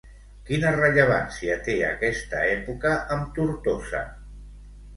Quina rellevància té aquesta època amb Tortosa?